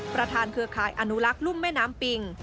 เครือข่ายอนุลักษ์รุ่มแม่น้ำปิง